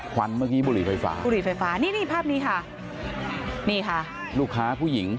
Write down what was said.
ควันเมื่อกี้บุรีไฟฟ้านี่ภาพนี้ค่ะลูกค้าผู้หญิง